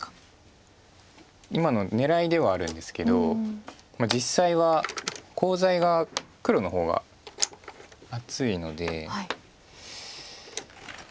今の狙いではあるんですけど実際はコウ材が黒の方が厚いので。